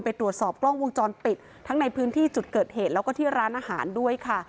ไปตรวจสอบกล้องวงจรปิดทั้งในพื้นที่จุดเกิดเหตุแล้วก็ที่ร้านอาหารด้วยค่ะ